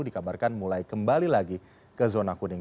dikabarkan mulai kembali lagi ke zona kuning